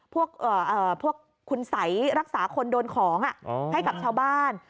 พวกคุณสัยรักษาคนโดนของให้กับชาวบ้าน